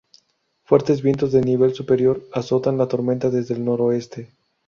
Fuertes vientos de nivel superior azotaron la tormenta desde el noroeste.